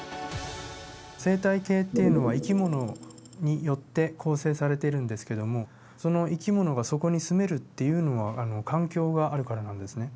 生態系っていうのは生き物によって構成されているんですけどもその生き物がそこに住めるっていうのは環境があるからなんですね。